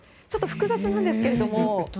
ちょっと複雑なんですけれども。